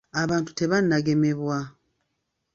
Abantu tebannagemebwa.